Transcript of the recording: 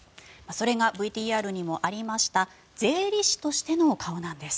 それがＶＴＲにもありました税理士としての顔なんです。